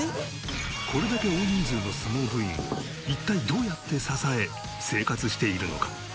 これだけ大人数の相撲部員を一体どうやって支え生活しているのか？